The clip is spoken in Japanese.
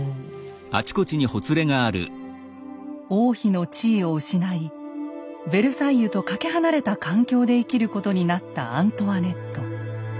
王妃の地位を失いヴェルサイユとかけ離れた環境で生きることになったアントワネット。